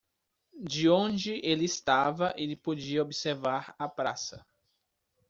De onde ele estava, ele podia observar a praça.